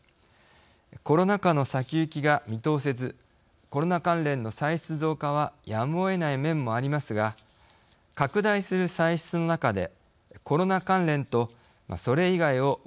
コロナ禍の先行きが見通せずコロナ関連の歳出増加はやむをえない面もありますが拡大する歳出の中でコロナ関連とそれ以外を分けて考え